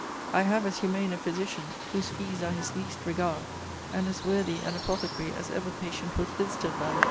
I have as humane a physician, (whose fees are his least regard,) and as worthy an apothecary, as ever patient was visited by.